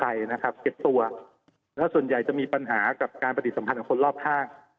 เก็บตัวแล้วส่วนใหญ่จะมีปัญหากับการปฏิสัมพันธ์ของคนรอบข้าง